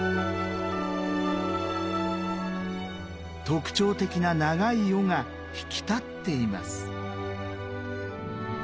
特徴的な長い尾が引き立っています。